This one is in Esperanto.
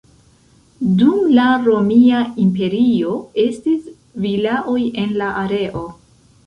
Dum la Romia Imperio estis vilaoj en la areo.